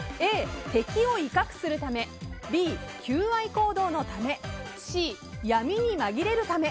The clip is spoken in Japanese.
Ａ、敵を威嚇するためＢ、求愛行動のためＣ、闇にまぎれるため。